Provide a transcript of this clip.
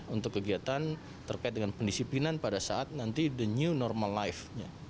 untuk kegiatan terkait dengan pendisiplinan pada saat nanti the new normal life nya